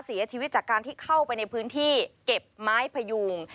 เสียชีวิตจากการที่เข้าไปในพื้นที่เก็บไม้พยูง